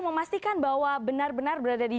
memastikan bahwa benar benar berada di